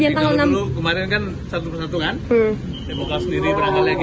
jadi kalau dulu kemarin kan satu persatu kan demokrasi sendiri berangkat lagi